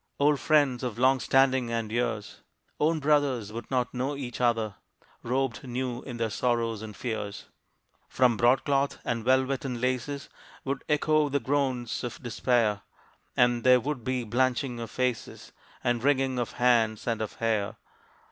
Old friends of long standing and years Own brothers would not know each other, Robed new in their sorrows and fears. From broadcloth, and velvet, and laces, Would echo the groans of despair, And there would be blanching of faces And wringing of hands and of hair.